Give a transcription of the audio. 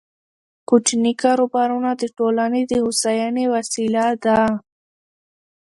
کوچني کاروبارونه د ټولنې د هوساینې وسیله ده.